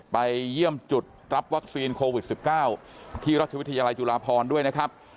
ไปเยี่ยมจุดรับวัคซีนโควิด๑๙ที่ราชวิทยาลัยจุฬาพรด้วยนะครับ